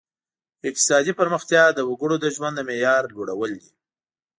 اقتصادي پرمختیا د وګړو د ژوند د معیار لوړول دي.